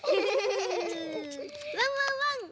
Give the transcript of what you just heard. ワンワンワン！